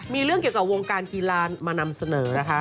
มีเรื่องเกี่ยวกับวงการกีฬามานำเสนอนะคะ